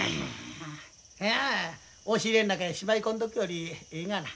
いや押し入れん中へしまいこんどくよりええがな。